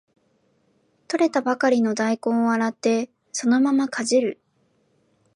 採れたばかりの大根を洗ってそのままかじる